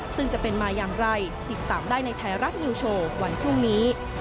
ซึ่งจะเป็นมาอย่างไรติดตามได้ในไทยรัฐนิวโชว์วันพรุ่งนี้